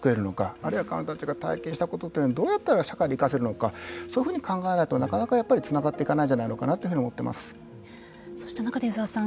あるいは彼女たちが体験したことがどうやったら社会でそういうふうに考えないとなかなか、やっぱりつながっていかないんじゃないのかなとそして湯澤さん